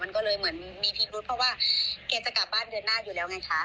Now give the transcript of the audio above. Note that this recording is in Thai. มันก็เลยเหมือนมีพิรุษเพราะว่าแกจะกลับบ้านเดือนหน้าอยู่แล้วไงคะ